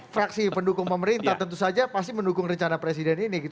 fraksi pendukung pemerintah tentu saja pasti mendukung rencana presiden ini